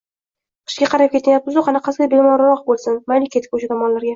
— Qishga qarab ketyapmiz-u, qanaqasiga bemalolroq bo‘lsin! Mayli, ketdik, o‘sha tomonlarga!..